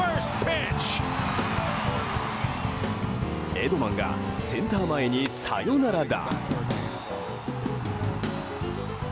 エドマンがセンター前にサヨナラ打！